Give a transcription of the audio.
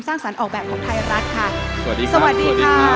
เพราะฉะนั้นเราทำกันเนี่ย